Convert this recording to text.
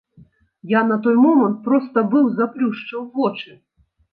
Я на той момант проста быў заплюшчыў вочы.